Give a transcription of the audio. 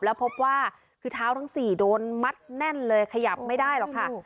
แล้วพบว่าคือเท้าทั้ง๔โดนมัดแน่นเลยขยับไม่ได้หรอกค่ะ